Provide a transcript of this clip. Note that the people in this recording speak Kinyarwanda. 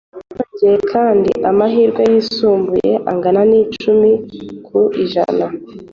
Byongeye kandi amahirwe yisumbuye angana n’icumi ku ijana